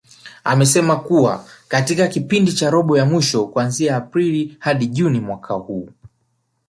Amesema kuwa katika kipindi cha robo ya mwisho kuanzia Aprili hadi Juni mwaka huu